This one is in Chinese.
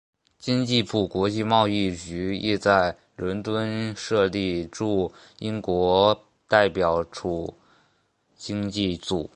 经济部国际贸易局亦在伦敦设立驻英国代表处经济组。